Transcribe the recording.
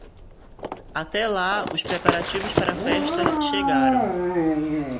Até lá os preparativos para a festa chegaram.